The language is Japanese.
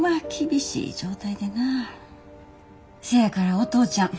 せやからお父ちゃん